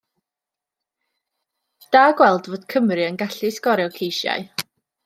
Da gweld fod Cymru yn gallu sgorio ceisiau.